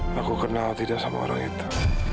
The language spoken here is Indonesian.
aku kenal tidak sama orang itu